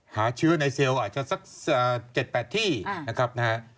หาเชื้อในเซลไทยอาจจะ๗หรือ๘ที่นะครับ